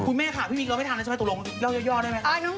คุณแม่ค่ะพี่มิกเราไปทางช่วยปาตัวลง